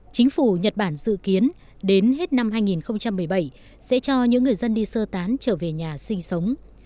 chính phủ nhật bản dự kiến đến hết năm hai nghìn một mươi bảy sẽ cho những người dân đi sơ tán trở về nhà sinh sống